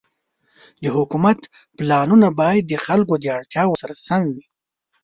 د حکومت پلانونه باید د خلکو د اړتیاوو سره سم وي.